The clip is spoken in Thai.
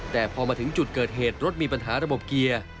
แต่พอมาถึงจุดเกิดเหตุรถมีปัญหาระบบเกียร์